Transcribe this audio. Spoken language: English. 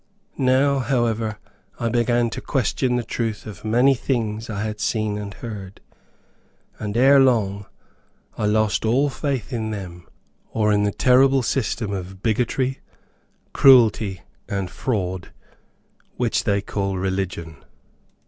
Now, however, I began to question the truth of many things I had seen and heard, and ere long I lost all faith in them, or in the terrible system of bigotry, cruelty and fraud, which they call religion.